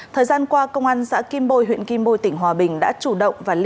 thời gian qua công an xã kim bôi huyện kim bôi tỉnh hòa bình đã chủ động và liên lạc